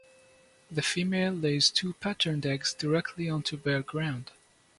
The female lays two patterned eggs directly onto bare ground.